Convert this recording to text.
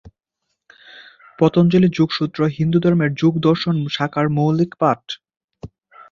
পতঞ্জলির যোগসূত্র হিন্দুধর্মের যোগ দর্শন শাখার মৌলিক পাঠ।